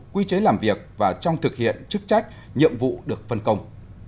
quy chế làm việc và trong thực hiện chức trách nhiệm vụ được phân công